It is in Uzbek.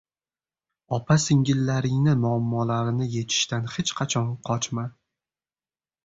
Opa singillaringni muammolarini yechishdan hech qachon qochma.